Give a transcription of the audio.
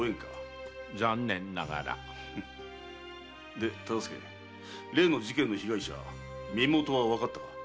で忠相例の事件の被害者身元はわかったのか？